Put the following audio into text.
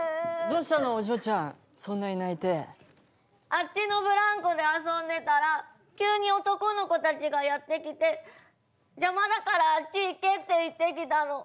あっちのブランコで遊んでたら急に男の子たちがやって来て「邪魔だからあっち行け」って言ってきたの。